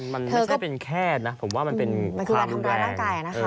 มันไม่ใช่เป็นแค่นะผมว่ามันเป็นความร้อนแรง